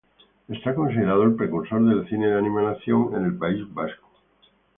Es considerado el precursor del cine de animación en el País Vasco.